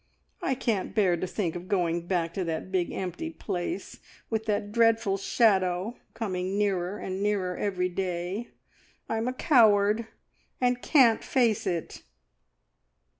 I can't bear to think of going back to that big empty place, with that dreadful shadow coming nearer and nearer every day. I am a coward, and can't face it!"